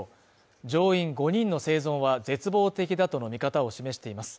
乗員５人の生存は絶望的だとの見方を示しています。